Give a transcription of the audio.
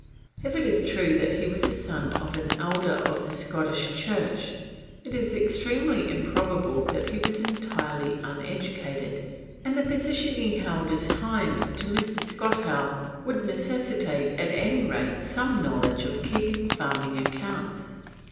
If it is true that he was the son of an Elder of the Scottish Church, it is extremely improbable that he was entirely uneducated, and the position he held as hind to Mr. Skottowe would necessitate at any rate some knowledge of keeping farming accounts.